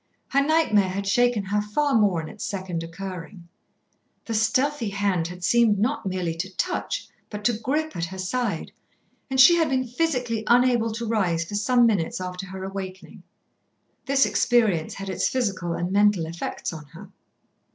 Her nightmare had shaken her far more on its second occurring. The stealthy hand had seemed not merely to touch, but to grip at her side, and she had been physically unable to rise for some minutes after her awakening. This experience had its physical and mental effects on her.